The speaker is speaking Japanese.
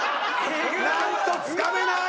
何とつかめない！